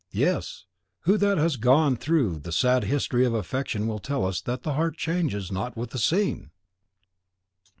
yes, who that has gone through the sad history of affection will tell us that the heart changes not with the scene!